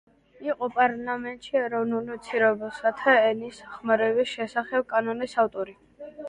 იყო პარლამენტში ეროვნულ უმცირესობათა ენის ხმარების შესახებ კანონის ავტორი.